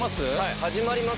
始まります？